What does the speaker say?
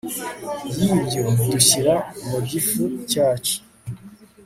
yibyo dushyira mu gifu cyacu